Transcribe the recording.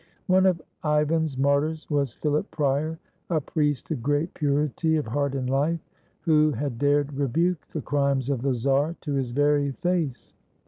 One of Ivan's martyrs was Philip Prior, a priest of great purity of heart and life, who had dared rebuke the crimes of the czar to his very face.